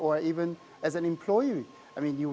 atau bahkan sebagai pekerja